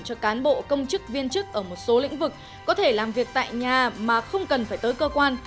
cho cán bộ công chức viên chức ở một số lĩnh vực có thể làm việc tại nhà mà không cần phải tới cơ quan